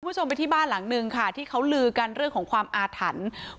คุณผู้ชมไปที่บ้านหลังนึงค่ะที่เขาลือกันเรื่องของความอาถรรพ์